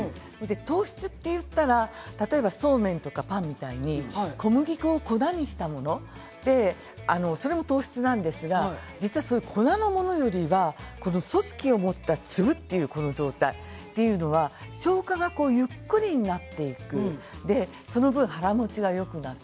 糖質といったら、例えばそうめんとかパンのように小麦粉を粉にしたものそれも糖質なんですが実は粉のものよりも組織を持った粒の状態は消化がゆっくりになってその分、腹もちがよくなる。